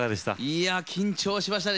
いや緊張しましたね。